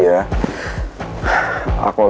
aduh aku mau pulang